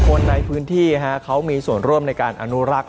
คนในพื้นที่เขามีส่วนร่วมในการอนุรักษ์